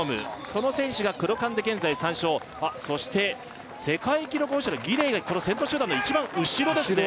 その選手がクロカンで現在３勝あっそして世界記録保持者のギデイが先頭集団の一番後ろですね